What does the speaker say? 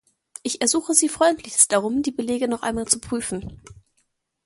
Ich ersuche Sie freundlichst darum, die Belege noch einmal zu prüfen.